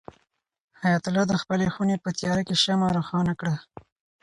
حیات الله د خپلې خونې په تیاره کې شمع روښانه کړه.